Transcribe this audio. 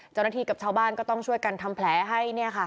เจ้าหน้าที่กับชาวบ้านก็ต้องช่วยกันทำแผลให้